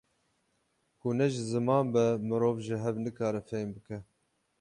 Ku ne ji ziman be mirov ji hev nikare fehm bike